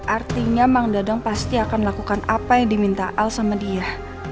artinya mang dadang pasti akan melakukan apa yang diminta al sama dia